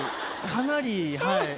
かなりはい。